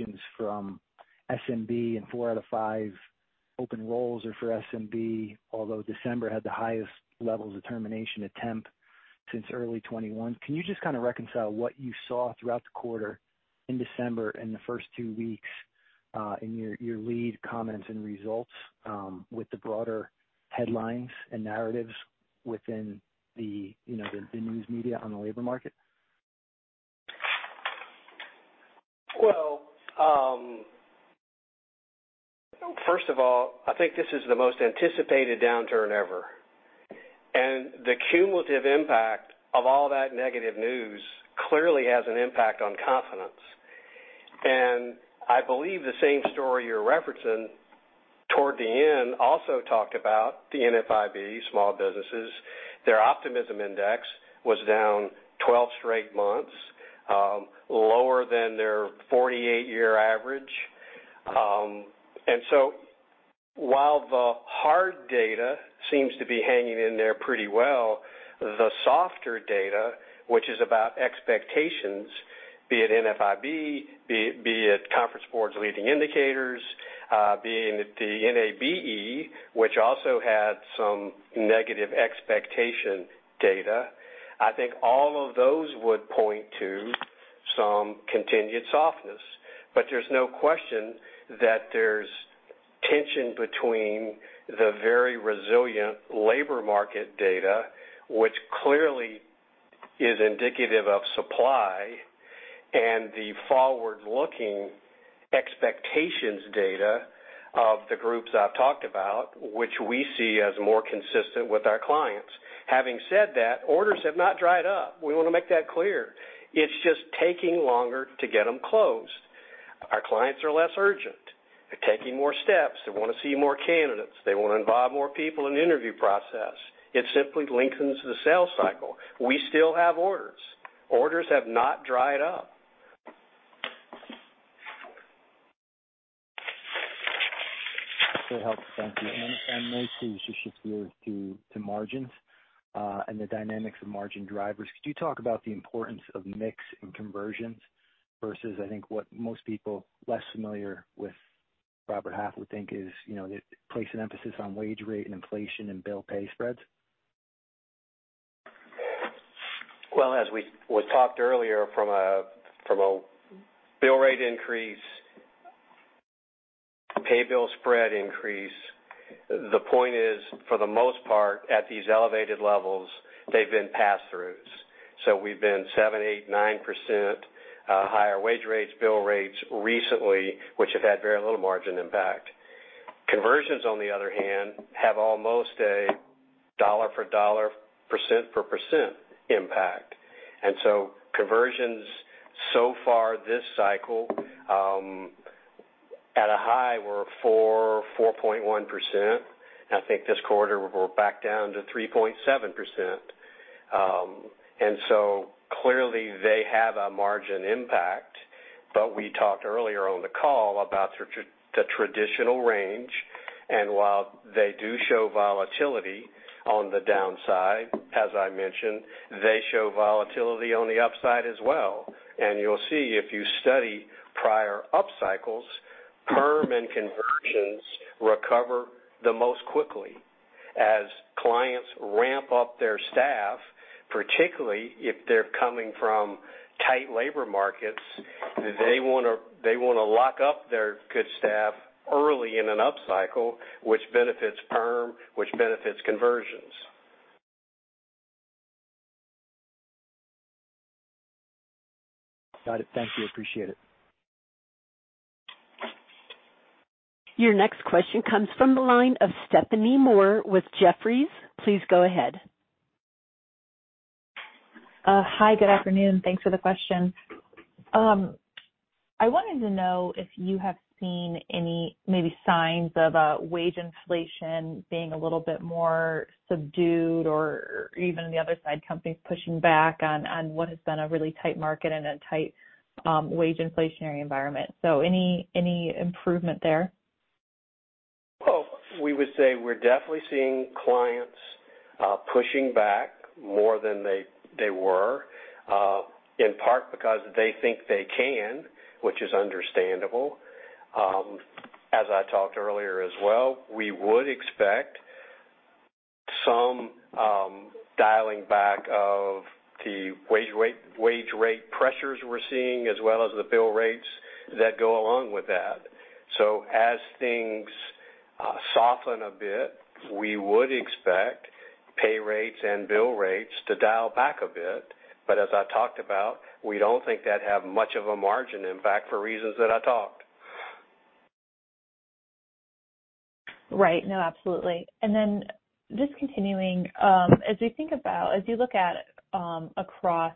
contributions from SMB and 4 out of 5 open roles are for SMB, although December had the highest levels of termination attempt since early 2021. Can you just kinda reconcile what you saw throughout the quarter in December and the first two weeks, in your lead comments and results, with the broader headlines and narratives within the, you know, the news media on the labor market? Well, first of all, I think this is the most anticipated downturn ever, the cumulative impact of all that negative news clearly has an impact on confidence. I believe the same story you're referencing toward the end also talked about the NFIB small businesses. Their optimism index was down 12 straight months, lower than their 48-year average. While the hard data seems to be hanging in there pretty well, the softer data, which is about expectations, be it NFIB, be it The Conference Board's leading indicators, be it the NABE, which also had some negative expectation data. I think all of those would point to some continued softness. There's no question that there's tension between the very resilient labor market data, which clearly is indicative of supply, and the forward-looking expectations data of the groups I've talked about, which we see as more consistent with our clients. Having said that, orders have not dried up. We want to make that clear. It's just taking longer to get them closed. Our clients are less urgent. They're taking more steps. They want to see more candidates. They want to involve more people in the interview process. It simply lengthens the sales cycle. We still have orders. Orders have not dried up. That helps. Thank you. May I please just shift gears to margins and the dynamics of margin drivers. Could you talk about the importance of mix and conversions versus, I think what most people less familiar with Robert Half would think is, you know, they place an emphasis on wage rate and inflation and bill pay spreads. Well, as was talked earlier from a bill rate increase, pay bill spread increase, the point is, for the most part, at these elevated levels, they've been pass-throughs. We've been 7%, 8%, 9% higher wage rates, bill rates recently, which have had very little margin impact. Conversions, on the other hand, have almost a dollar for dollar, percent for percent impact. Conversions so far this cycle, at a high were 4%, 4.1%. I think this quarter we're back down to 3.7%. Clearly they have a margin impact. We talked earlier on the call about the traditional range. While they do show volatility on the downside, as I mentioned, they show volatility on the upside as well. You'll see if you study prior up cycles, perm and conversions recover the most quickly as clients ramp up their staff, particularly if they're coming from tight labor markets. They wanna lock up their good staff early in an up cycle, which benefits perm, which benefits conversions. Got it. Thank you. Appreciate it. Your next question comes from the line of Stephanie Moore with Jefferies. Please go ahead. Hi, good afternoon. Thanks for the question. I wanted to know if you have seen any maybe signs of wage inflation being a little bit more subdued or even the other side, companies pushing back on what has been a really tight market and a tight wage inflationary environment. Any improvement there? Well, we would say we're definitely seeing clients, pushing back more than they were, in part because they think they can, which is understandable. As I talked earlier as well, we would expect some dialing back of the wage rate pressures we're seeing as well as the bill rates that go along with that. As things soften a bit, we would expect pay rates and bill rates to dial back a bit. As I talked about, we don't think that'd have much of a margin impact for reasons that I talked. Right. No, absolutely. Just continuing, as you look at, across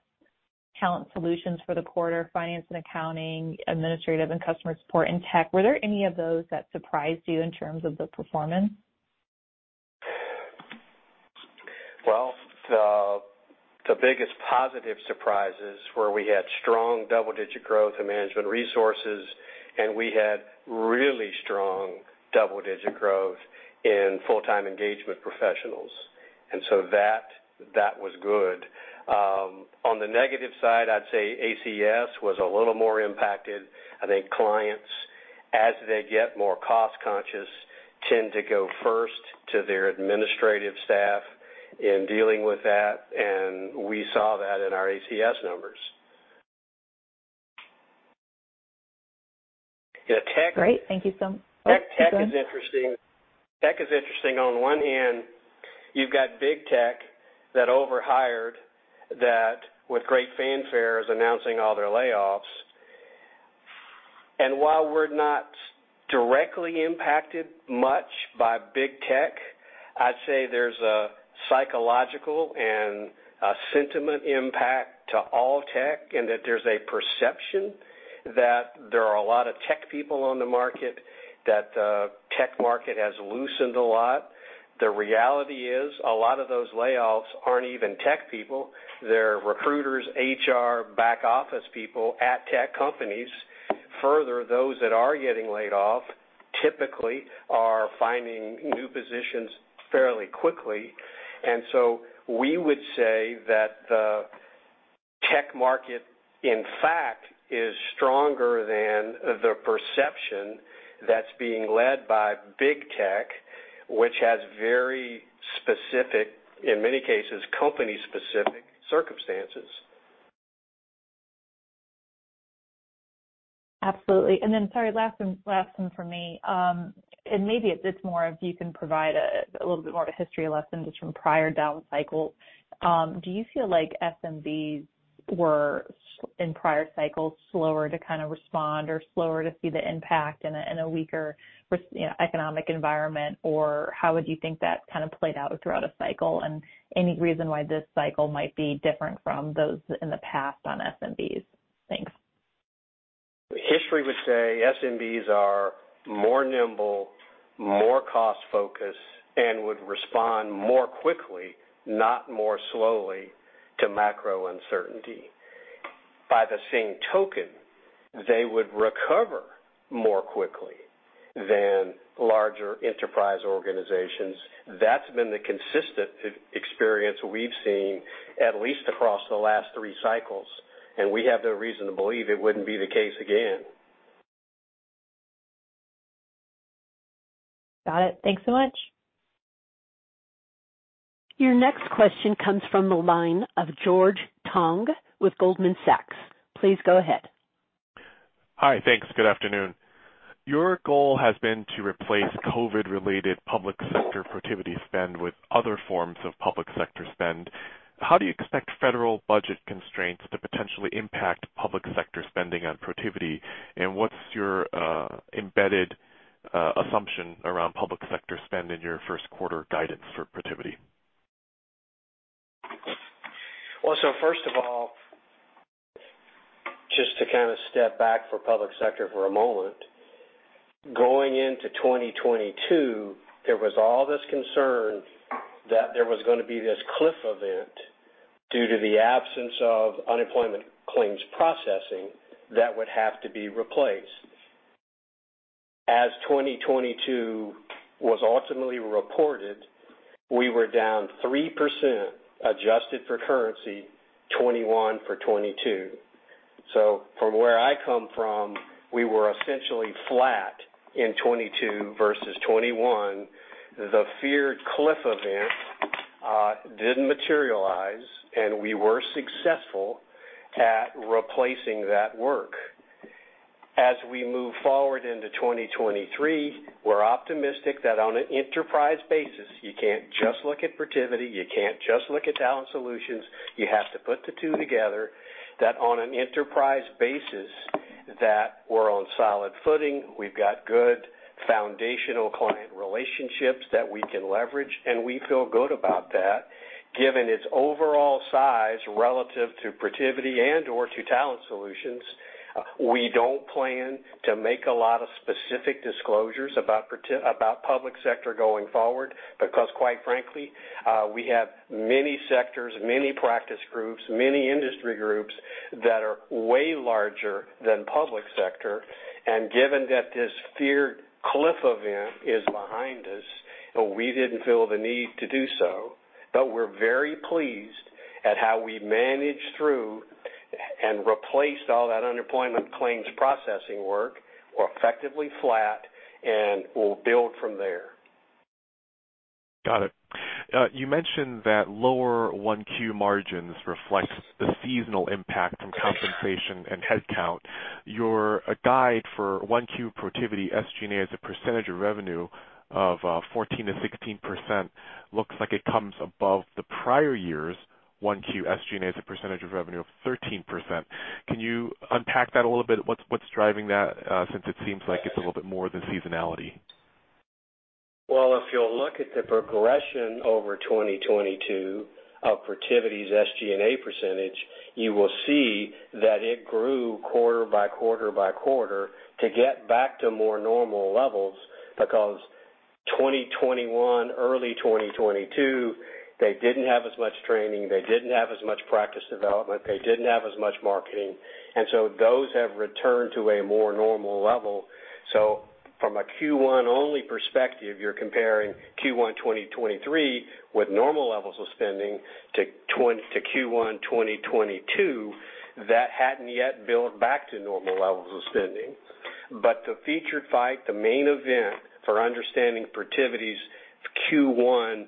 talent solutions for the quarter, finance and accounting, administrative and customer support and tech, were there any of those that surprised you in terms of the performance? Well, the biggest positive surprises were we had strong double-digit growth in Management Resources, and we had really strong double-digit growth in Full-Time Engagement Professionals. That was good. On the negative side, I'd say ACS was a little more impacted. I think clients, as they get more cost conscious, tend to go first to their administrative staff in dealing with that. We saw that in our ACS numbers. In tech- Great. Thank you. Oh, go ahead. Tech is interesting. Tech is interesting. On one hand, you've got big tech that overhired that with great fanfare is announcing all their layoffs. While we're not directly impacted much by big tech, I'd say there's a psychological and a sentiment impact to all tech, and that there's a perception that there are a lot of tech people on the market, that the tech market has loosened a lot. The reality is a lot of those layoffs aren't even tech people. They're recruiters, HR, back office people at tech companies. Further, those that are getting laid off typically are finding new positions fairly quickly. We would say that the tech market, in fact, is stronger than the perception that's being led by big tech, which has very specific, in many cases, company-specific circumstances. Absolutely. Sorry, last one, last one for me. Maybe it's more of you can provide a little bit more of a history lesson just from prior down cycles. Do you feel like SMBs were in prior cycles slower to kind of respond or slower to see the impact in a weaker economic environment? How would you think that's kind of played out throughout a cycle and any reason why this cycle might be different from those in the past on SMBs? Thanks. History would say SMBs are more nimble, more cost-focused, and would respond more quickly, not more slowly, to macro uncertainty. By the same token, they would recover more quickly than larger enterprise organizations. That's been the consistent experience we've seen at least across the last three cycles, and we have no reason to believe it wouldn't be the case again. Got it. Thanks so much. Your next question comes from the line of George Tong with Goldman Sachs. Please go ahead. Hi. Thanks. Good afternoon. Your goal has been to replace COVID-related public sector Protiviti spend with other forms of public sector spend. How do you expect federal budget constraints to potentially impact public sector spending on Protiviti? What's your embedded assumption around public sector spend in your first quarter guidance for Protiviti? Well, first of all, just to kind of step back for public sector for a moment. Going into 2022, there was all this concern that there was going to be this cliff event due to the absence of unemployment claims processing that would have to be replaced. As 2022 was ultimately reported, we were down 3%, adjusted for currency, 2021 for 2022. From where I come from, we were essentially flat in 2022 versus 2021. The feared cliff event didn't materialize, and we were successful at replacing that work. As we move forward into 2023, we're optimistic that on an enterprise basis, you can't just look at Protiviti, you can't just look at talent solutions. You have to put the two together. That on an enterprise basis, that we're on solid footing. We've got good Foundational client relationships that we can leverage, and we feel good about that. Given its overall size relative to Protiviti and or to talent solutions, we don't plan to make a lot of specific disclosures about public sector going forward, because quite frankly, we have many sectors, many practice groups, many industry groups that are way larger than public sector. Given that this feared cliff event is behind us, we didn't feel the need to do so. We're very pleased at how we managed through and replaced all that unemployment claims processing work or effectively flat, and we'll build from there. Got it. You mentioned that lower 1Q margins reflect the seasonal impact from compensation and headcount. Your guide for 1Q Protiviti SG&A as a percentage of revenue of 14%-16% looks like it comes above the prior year's 1Q SG&A as a percentage of revenue of 13%. Can you unpack that a little bit? What's driving that? Since it seems like it's a little bit more than seasonality. Well, if you'll look at the progression over 2022 of Protiviti's SG&A percentage, you will see that it grew quarter by quarter by quarter to get back to more normal levels. Because 2021, early 2022, they didn't have as much training, they didn't have as much practice development, they didn't have as much marketing, and so those have returned to a more normal level. From a Q1 only perspective, you're comparing Q1 2023 with normal levels of spending to Q1 2022 that hadn't yet built back to normal levels of spending. The featured fight, the main event for understanding Protiviti's Q1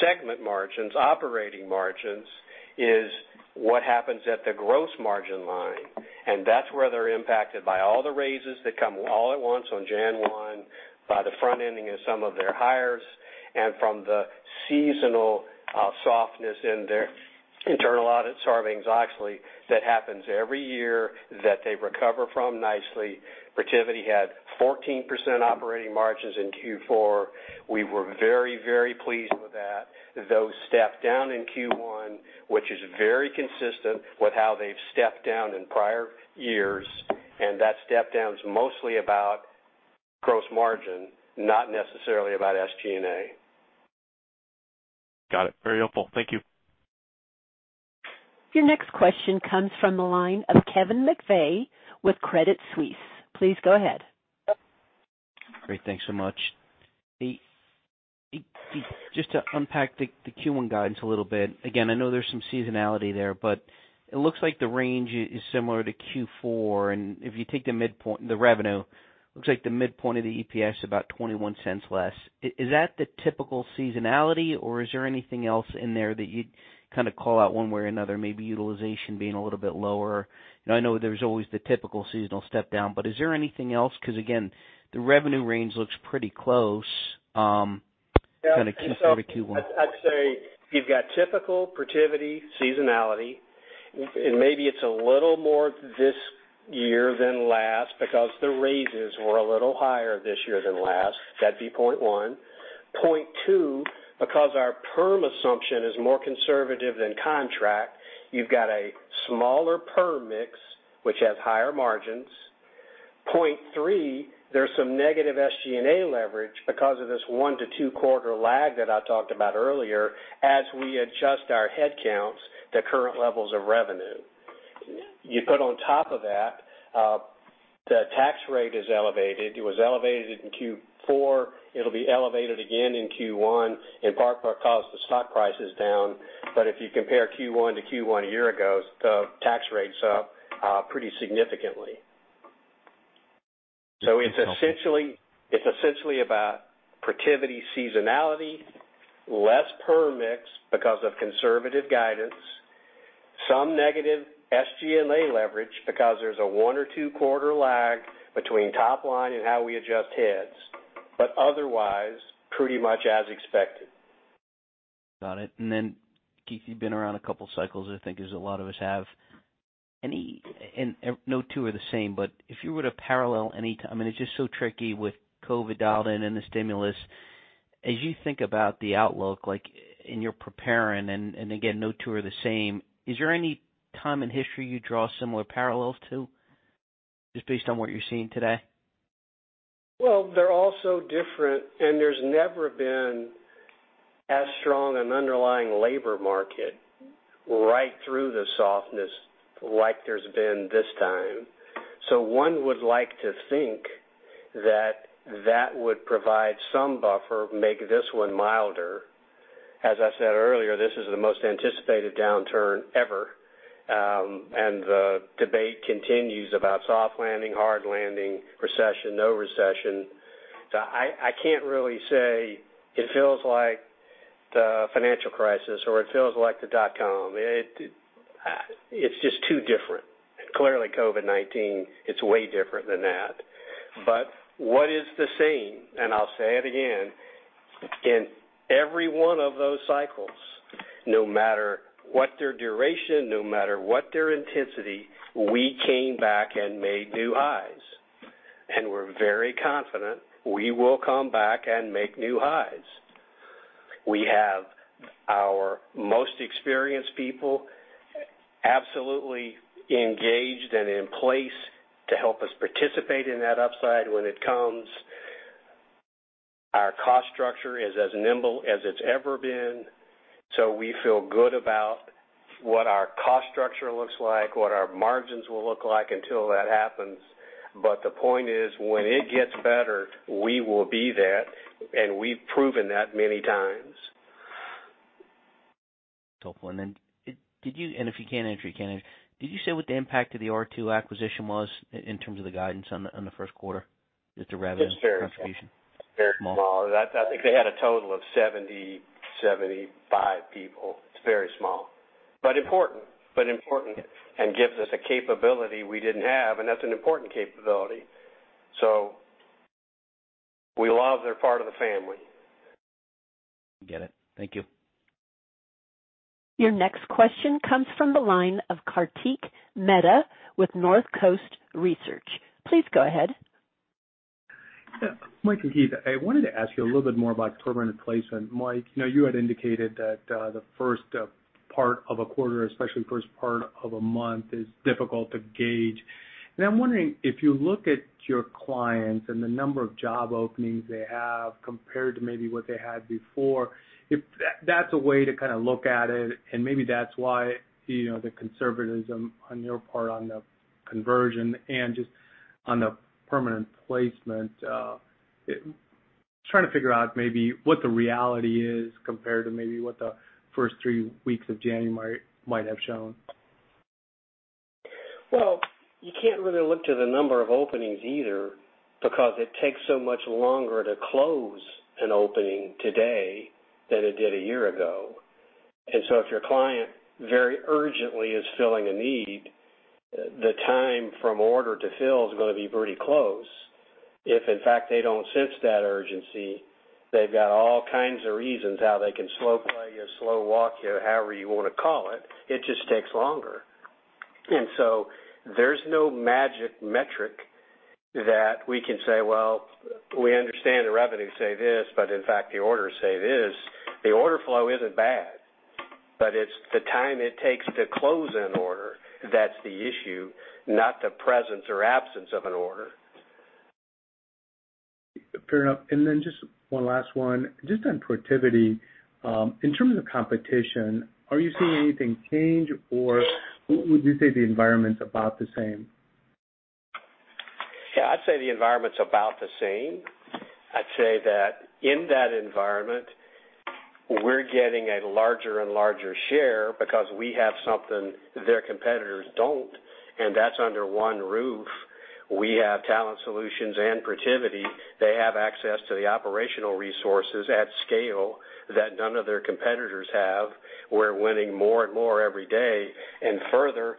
segment margins, operating margins, is what happens at the gross margin line, and that's where they're impacted by all the raises that come all at once on January 1 by the front ending of some of their hires and from the seasonal softness in their internal audit services. Actually, that happens every year that they recover from nicely. Protiviti had 14% operating margins in Q4. We were very, very pleased with that. Those stepped down in Q1, which is very consistent with how they've stepped down in prior years. That step down is mostly about gross margin, not necessarily about SG&A. Got it. Very helpful. Thank you. Your next question comes from the line of Kevin McVeigh with Credit Suisse. Please go ahead. Great. Thanks so much. Just to unpack the Q1 guidance a little bit. Again, I know there's some seasonality there, but it looks like the range is similar to Q4. If you take the midpoint, the revenue looks like the midpoint of the EPS, about $0.21 less. Is that the typical seasonality, or is there anything else in there that you kind of call out one way or another? Maybe utilization being a little bit lower? I know there's always the typical seasonal step down, but is there anything else? Because again, the revenue range looks pretty close, kind of Q4 to Q1. I'd say you've got typical Protiviti seasonality. Maybe it's a little more this year than last because the raises were a little higher this year than last. That'd be point one. Point two, because our perm assumption is more conservative than contract, you've got a smaller perm mix which has higher margins. Point three, there's some negative SG&A leverage because of this one to two quarter lag that I talked about earlier as we adjust our headcounts to current levels of revenue. You put on top of that, the tax rate is elevated. It was elevated in Q4. It'll be elevated again in Q1, in part because the stock price is down. If you compare Q1 to Q1 a year ago, the tax rate's up pretty significantly. It's essentially about Protiviti seasonality, less perm mix because of conservative guidance, some negative SG&A leverage because there's a one or two quarter lag between top line and how we adjust heads, but otherwise pretty much as expected. Got it. Keith, you've been around a couple cycles, I think, as a lot of us have. No two are the same, but if you were to parallel any time, and it's just so tricky with COVID out and then the stimulus. As you think about the outlook, like, and you're preparing, and again, no two are the same, is there any time in history you draw similar parallels to just based on what you're seeing today? They're all so different and there's never been as strong an underlying labor market right through the softness like there's been this time. One would like to think that that would provide some buffer, make this one milder. As I said earlier, this is the most anticipated downturn ever. The debate continues about soft landing, hard landing, recession, no recession. I can't really say it feels like the financial crisis or it feels like the dot com. It's just too different. Clearly, COVID-19, it's way different than that. What is the same, and I'll say it again. In every one of those cycles, no matter what their duration, no matter what their intensity, we came back and made new highs. We're very confident we will come back and make new highs. We have our most experienced people absolutely engaged and in place to help us participate in that upside when it comes. Our cost structure is as nimble as it's ever been, so we feel good about what our cost structure looks like, what our margins will look like until that happens. The point is, when it gets better, we will be there, and we've proven that many times. Helpful. If you can't answer, you can't answer. Did you say what the impact of the R2 acquisition was in terms of the guidance on the first quarter, just the revenue contribution? It's very small. Very small. I think they had a total of 70, 75 people. It's very small, but important. Important and gives us a capability we didn't have, and that's an important capability. We love they're part of the family. Get it. Thank you. Your next question comes from the line of Kartik Mehta with Northcoast Research. Please go ahead. Mike and Keith, I wanted to ask you a little bit more about permanent placement. Mike, you know, you had indicated that the first part of a quarter, especially first part of a month, is difficult to gauge. I'm wondering if you look at your clients and the number of job openings they have compared to maybe what they had before, if that's a way to kind of look at it, and maybe that's why, you know, the conservatism on your part on the conversion and just on the permanent placement. Trying to figure out maybe what the reality is compared to maybe what the first 3 weeks of January might have shown. Well, you can't really look to the number of openings either because it takes so much longer to close an opening today than it did a year ago. If your client very urgently is filling a need, the time from order to fill is gonna be pretty close. If in fact they don't sense that urgency, they've got all kinds of reasons how they can slow play you, slow walk you, however you want to call it. It just takes longer. There's no magic metric that we can say, well, we understand the revenue say this, but in fact the orders say this. The order flow isn't bad, but it's the time it takes to close an order that's the issue, not the presence or absence of an order. Fair enough. Then just one last one. Just on Protiviti. In terms of competition, are you seeing anything change or would you say the environment's about the same? Yeah, I'd say the environment's about the same. I'd say that in that environment, we're getting a larger and larger share because we have something their competitors don't, and that's under one roof. We have talent solutions and Protiviti. They have access to the operational resources at scale that none of their competitors have. We're winning more and more every day. Further,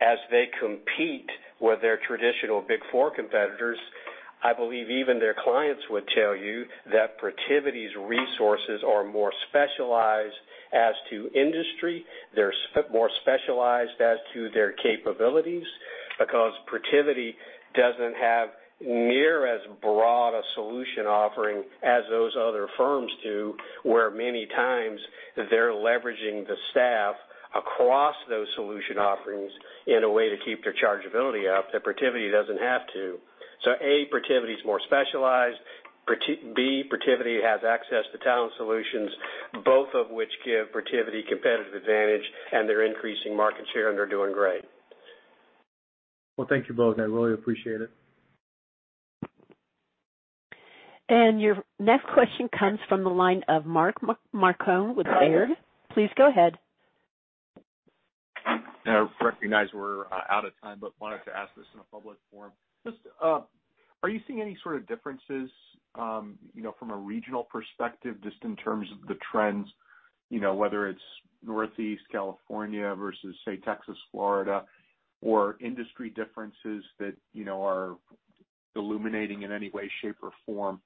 as they compete with their traditional big four competitors, I believe even their clients would tell you that Protiviti's resources are more specialized as to industry. They're more specialized as to their capabilities because Protiviti doesn't have near as broad a solution offering as those other firms do, where many times they're leveraging the staff across those solution offerings in a way to keep their chargeability up that Protiviti doesn't have to. A, Protiviti is more specialized. B, Protiviti has access to talent solutions, both of which give Protiviti competitive advantage, and they're increasing market share, and they're doing great. Well, thank you both. I really appreciate it. Your next question comes from the line of Mark Marcon with Baird. Please go ahead. I recognize we're out of time, but wanted to ask this in a public forum. Just, are you seeing any sort of differences, you know, from a regional perspective, just in terms of the trends, you know, whether it's Northeast California versus, say, Texas, Florida, or industry differences that you know are illuminating in any way, shape or form?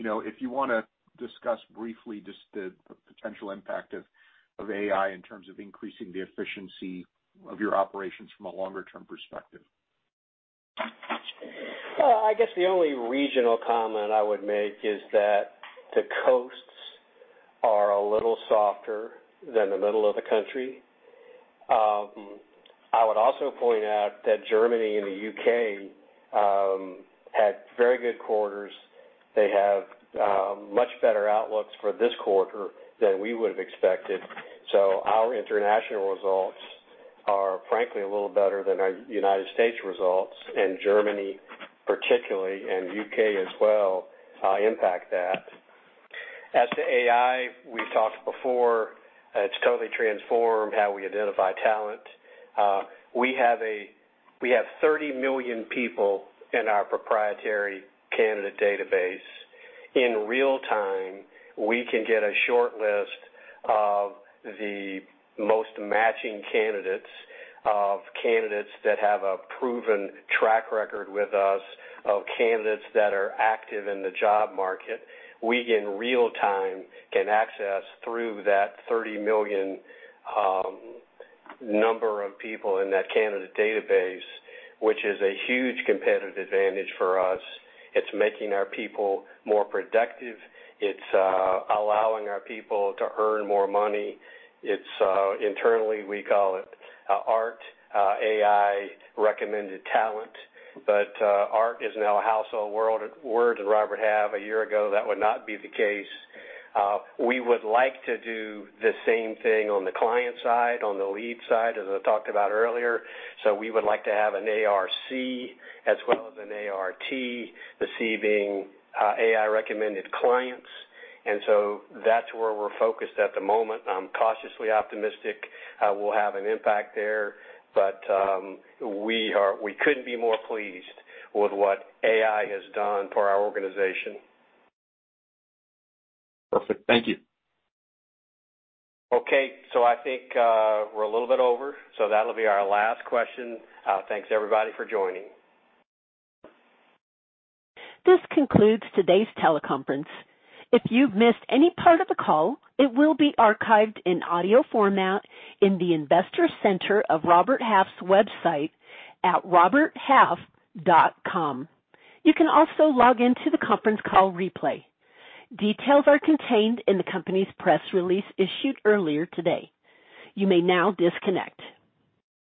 You know, if you want to discuss briefly just the potential impact of AI in terms of increasing the efficiency of your operations from a longer term perspective. Well, I guess the only regional comment I would make is that the coasts are a little softer than the middle of the country. I would also point out that Germany and the U.K. had very good quarters. They have much better outlooks for this quarter than we would have expected. Our international results are frankly a little better than our United States results. Germany particularly, and U.K. as well, impact that. As to AI, we've talked before, it's totally transformed how we identify talent. We have 30 million people in our proprietary candidate database. In real time, we can get a short list of the most matching candidates, of candidates that have a proven track record with us, of candidates that are active in the job market. We, in real time, can access through that 30 million number of people in that candidate database, which is a huge competitive advantage for us. It's making our people more productive. It's allowing our people to earn more money. Internally, we call it ART, AI Recommended Talent. ART is now a household word at Robert Half. A year ago, that would not be the case. We would like to do the same thing on the client side, on the lead side, as I talked about earlier. We would like to have an ARC as well as an ART, the C being AI Recommended Clients. That's where we're focused at the moment. I'm cautiously optimistic, we'll have an impact there, we couldn't be more pleased with what AI has done for our organization. Perfect. Thank you. I think, we're a little bit over, so that'll be our last question. Thanks everybody for joining. This concludes today's teleconference. If you've missed any part of the call, it will be archived in audio format in the investor center of Robert Half's website at roberthalf.com. You can also log in to the conference call replay. Details are contained in the company's press release issued earlier today. You may now disconnect.